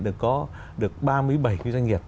được ba mươi bảy doanh nghiệp